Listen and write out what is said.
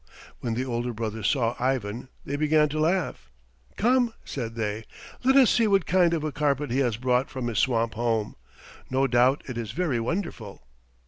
When the older brothers saw Ivan they began to laugh. "Come!" said they. "Let us see what kind of a carpet he has brought from his swamp home. No doubt it is very wonderful."